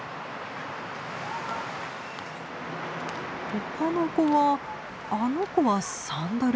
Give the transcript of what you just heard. ほかの子はあの子はサンダル。